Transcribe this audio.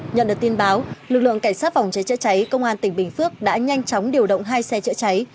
nhận được tin báo lực lượng cảnh sát phòng cháy chữa cháy công an tỉnh bình phước đã nhanh chóng điều động hai xe chữa cháy